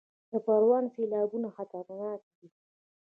د پروان سیلابونه خطرناک دي